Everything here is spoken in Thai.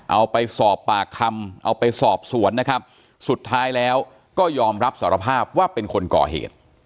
เอาไปสอบปากคำเอาไปสอบสวนนะครับสุดท้ายแล้วก็ยอมรับสารภาพว่าเป็นคนก่อเหตุ